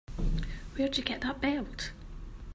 Where'd you get that belt?